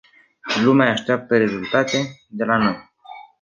Lumea așteaptă rezultate de la noi.